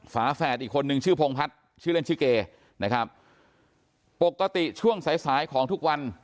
ฝาแฝดอีกคนนึงชื่อพงพัฒน์ชื่อเล่นชื่อเกนะครับปกติช่วงสายสายของทุกวัน